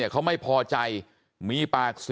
บอกแล้วบอกแล้วบอกแล้ว